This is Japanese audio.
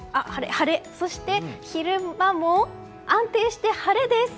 そして昼間も安定して晴れです。